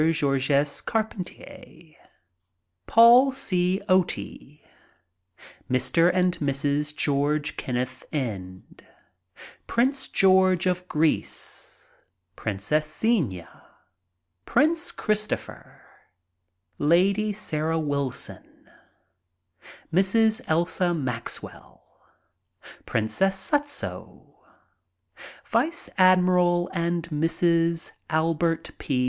Georges Carpentier, Paul C. Otey, Mr. arid Mrs. George Kenneth End, Prince George of Greece, Princess Xenia, Prince Christopher, Lady Sarah Wilson, Mrs. Elsa Maxwell, Princess Sutzo, Vice Admiral and Mrs. Albert P.